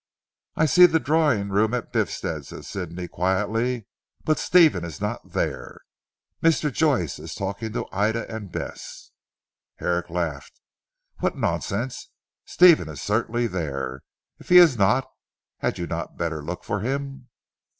"I see the drawing room at Biffstead," said Sidney quietly, "but Stephen is not there! Mr. Joyce is talking to Ida and Bess." Herrick laughed. "What nonsense! Stephen is certainly there. If he is not, had you not better look for him?"